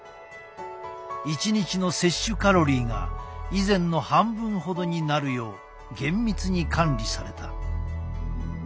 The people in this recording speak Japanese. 一日の摂取カロリーが以前の半分ほどになるよう厳密に管理された。